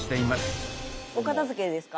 お片づけですか？